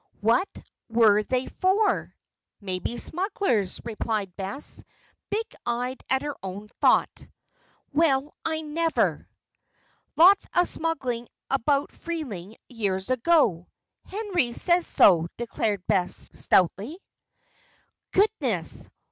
"What were they for?" "Maybe smugglers," replied Bess, big eyed at her own thought. "Well! I never!" "Lots of smuggling about Freeling years ago. Henry says so," declared Bess, stoutly. "Goodness!